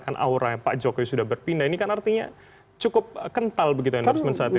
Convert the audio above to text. kan aura pak jokowi sudah berpindah ini kan artinya cukup kental begitu endorsement saat itu